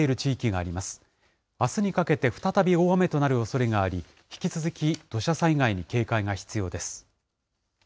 あすにかけて再び大雨となるおそれがあり、引き続き土砂災害に警戒が必要です。